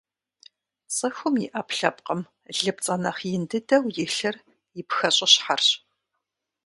Цӏыхум и ӏэпкълъэпкъым лыпцӏэ нэхъ ин дыдэу илъыр и пхэщӏыщхьэрщ.